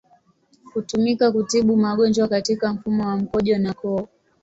Hutumika kutibu magonjwa katika mfumo wa mkojo na koo.